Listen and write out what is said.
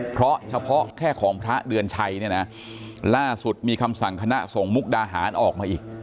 เพราะเฉพาะแค่ของพระเดือนชัยเนี่ยนะล่าสุดมีคำสั่งคณะส่งมุกดาหารออกมาอีก